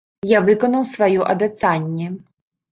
Я выканаў сваё абяцанне.